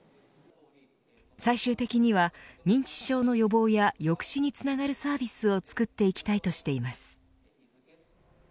最終的には認知症の予防や抑止につながるサービスを作っていきたいとしています。